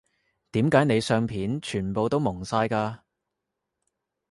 點解你相片全部都矇晒㗎